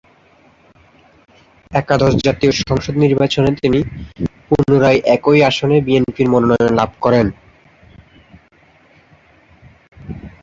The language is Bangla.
একাদশ জাতীয় সংসদ নির্বাচনে তিনি পুনরায় একই আসনে বিএনপির মনোনয়ন লাভ করেন।